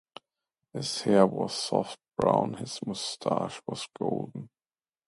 His hair was of soft brown, his moustache was golden.